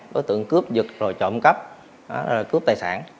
đối tượng cướp dựt rồi trộm cắp cướp tài sản